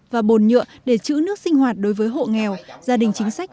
và bồn nhựa để chữ nước sinh hoạt đối với hộ nghèo gia đình chính sách